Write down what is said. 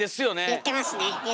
言ってますね！